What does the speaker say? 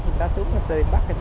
người ta xuống tìm bắt